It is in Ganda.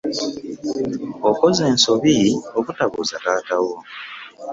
Okoze nsobi obutabuuza taata wo.